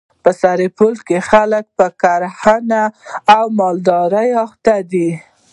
په سرپل کي خلک په کرهڼه او مالدري اخته دي.